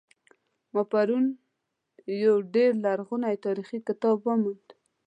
ما پرون یو ډیر لرغنۍتاریخي کتاب وموند